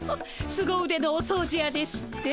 すご腕のお掃除やですって？